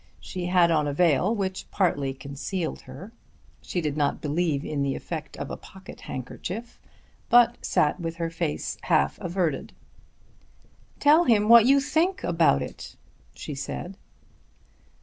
She had on a veil which partly concealed her. She did not believe in the effect of a pocket handkerchief, but sat with her face half averted. "Tell him what you think about it," she said.